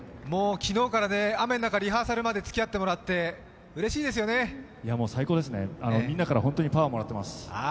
昨日から雨の中、リハーサルまでつきあってもらって、もう最高ですね、みんなから本当にパワーをもらっています。